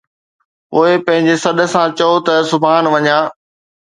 پوءِ، پنهنجي سڏ سان، چئو ته، ”سبحان وڃان.